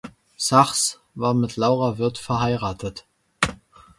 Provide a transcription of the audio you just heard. Sachs war mit Laura Wirth verheiratet.